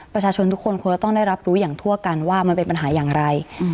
ประชาชนทุกคนควรจะต้องได้รับรู้อย่างทั่วกันว่ามันเป็นปัญหาอย่างไร